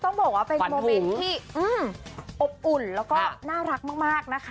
ต้องบอกว่าเป็นโมเมนต์ที่อบอุ่นแล้วก็น่ารักมากนะคะ